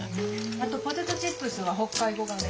あとポテトチップスは北海こがね。